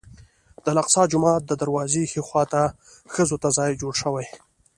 د الاقصی جومات د دروازې ښي خوا ته ښځو ته ځای جوړ شوی.